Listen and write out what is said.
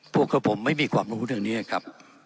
พวกกับผมไม่มีความรู้เรื่องนี้ครับ